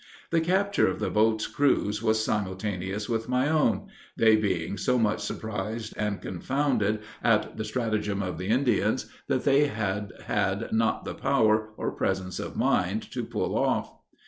The capture of the boat's crews was simultaneous with my own, they being so much surprised and confounded at the stratagem of the Indians, that they had not the power, or presence of mind, to pull off.